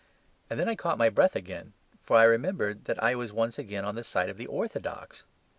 And then I caught my breath again: for I remembered that I was once again on the side of the orthodox.